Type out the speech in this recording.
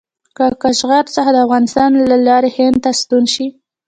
له کاشغر څخه د افغانستان له لارې هند ته ستون شي.